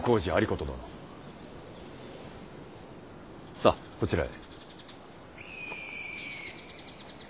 さあこちらへ。